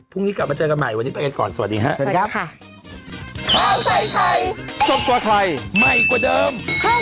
พรุ่งนี้กลับมาเจอกันใหม่วันนี้เปล่าครับอันก่อนสวัสดีครับ